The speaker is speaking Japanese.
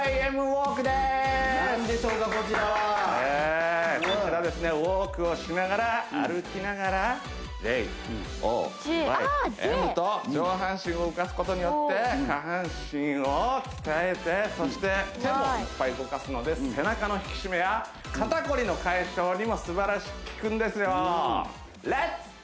ウォークをしながら歩きながらＪＯＹＭと上半身を動かすことによって下半身を鍛えてそして手もいっぱい動かすので背中の引き締めや肩凝りの解消にもすばらしく効くんですよレッツ！